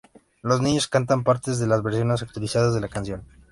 Los niños cantan partes de la versión actualizada de la canción.